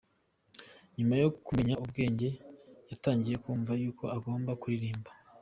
Nyuma yo kumenya ubwenge yatangiye kumva y’uko agomba kuririmba.